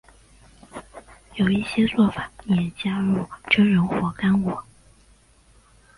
有一些做法也加入榛仁或干果。